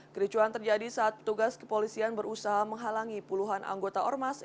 kericuan terjadi saat petugas kepolisian berusaha menghalangi puluhan anggota ormas